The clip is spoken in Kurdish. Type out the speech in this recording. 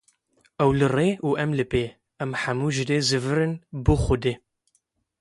Ew li rê û em li pê, em hemû jî dê zivirin bo xwedê